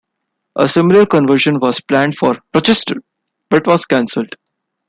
A similar conversion was planned for "Rochester" but was cancelled.